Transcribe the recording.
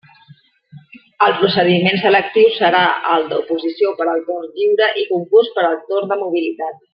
El procediment selectiu serà el d'oposició per al torn lliure i concurs per al torn de mobilitat.